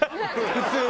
普通！